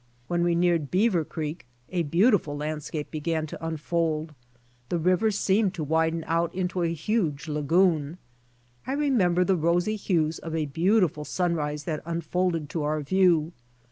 When we neared Beaver creek a beautiful landscape began to unfold. The river seemed to widen out into a huge lagoon. I remember the rosy hues of a beautiful sunrise that unfolded to our view.